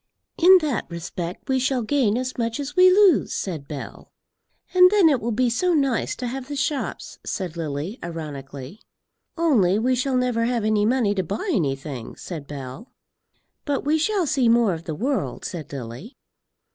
"In that respect we shall gain as much as we lose," said Bell. "And then it will be so nice to have the shops," said Lily, ironically. "Only we shall never have any money to buy anything," said Bell. "But we shall see more of the world," said Lily.